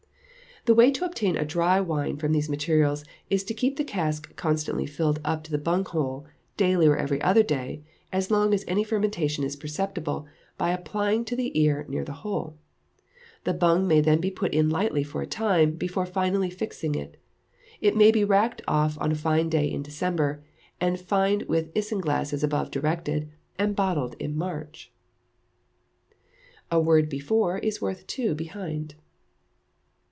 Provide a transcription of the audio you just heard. The way to obtain a dry wine from these materials is to keep the cask constantly filled up to the bung hole, daily or every other day, as long as any fermentation is perceptible by applying the ear near to the hole; the bung may then be put in lightly for a time, before finally fixing it; it may be racked off on a fine day in December, and fined with isinglass as above directed, and bottled in March. [A WORD BEFORE IS WORTH TWO BEHIND.